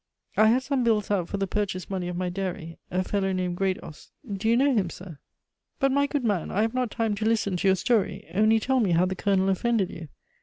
I had some bills out for the purchase money of my dairy a fellow named Grados Do you know him, sir?" "But, my good man, I have not time to listen to your story. Only tell me how the Colonel offended you."